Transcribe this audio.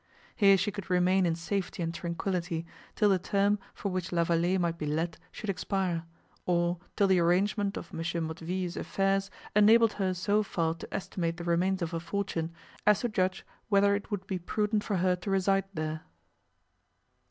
Here she could remain in safety and tranquillity, till the term, for which La Vallée might be let, should expire; or, till the arrangement of M. Motteville's affairs enabled her so far to estimate the remains of her fortune, as to judge whether it would be prudent for her to reside there.